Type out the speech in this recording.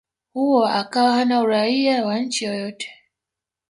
huo akawa hana Uraia wa nchi yoyote